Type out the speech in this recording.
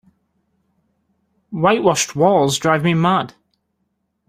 White washed walls drive me mad.